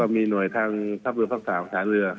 แล้วก็มีหน่วยทางทัพเรือภาคสาวสถานเรือ